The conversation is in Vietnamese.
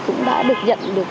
cũng đã được nhận được